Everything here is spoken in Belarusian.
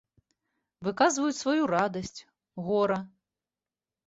Выказваюць сваю радасць, гора.